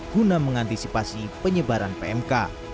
guna mengantisipasi penyebaran pmk